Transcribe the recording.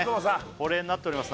保冷になっております